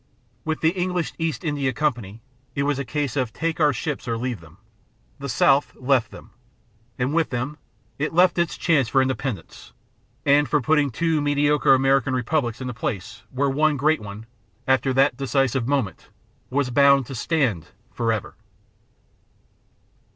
With the English East India Company, it was a case of "take our ships or leave them." The South left them, and with them it left its chance for independence and for putting two mediocre American republics in the place where one great one, after that decisive moment, was bound to stand forever.